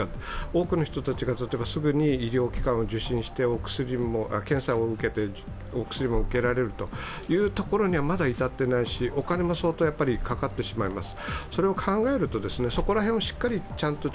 多くの人がすぐに医療機関を受診して検査を受けてお薬も受けられるというところにはまだ至っていないし、お金も相当かかってしまいます。